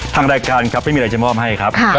ทางรายการครับไม่มีอะไรจะมอบให้ครับ